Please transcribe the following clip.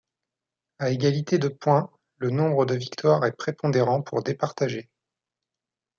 À égalité de points, le nombre de victoires est prépondérant pour départager.